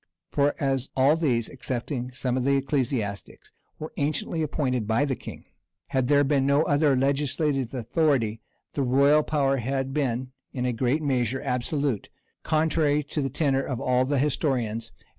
For as all these, excepting some of the ecclesiastics,[*] were anciently appointed by the king, had there been no other legislative authority, the royal power had been, in a great measure, absolute, contrary to the tenor of all the historians, and to the practice of all the northern nations.